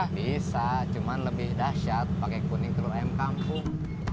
bisa cuma lebih dahsyat pakai kuning telur ayam kampung